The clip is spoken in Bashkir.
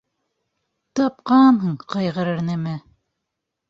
— Тапҡанһың ҡайғырыр нәмә?